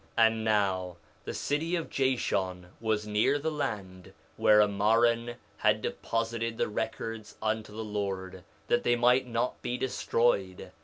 2:17 And now, the city of Jashon was near the land where Ammaron had deposited the records unto the Lord, that they might not be destroyed.